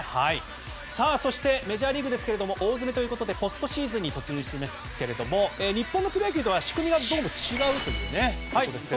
そして、メジャーリーグですが大詰めということでポストシーズン突入していますが日本のプロ野球とは仕組みが違うということですが。